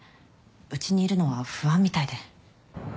うちにいるのは不安みたいで。